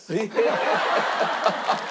ハハハハ！